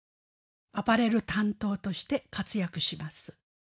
アパレル担当として活躍します。